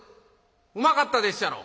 うまかったでっしゃろ？」。